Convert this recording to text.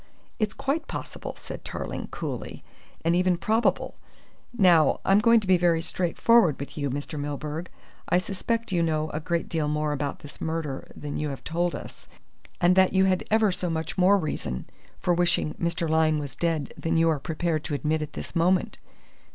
"It's quite possible," said Tarling coolly, "and even probable. Now, I'm going to be very straightforward with you, Mr. Milburgh. I suspect you know a great deal more about this murder than you have told us, and that you had ever so much more reason for wishing Mr. Lyne was dead than you are prepared to admit at this moment.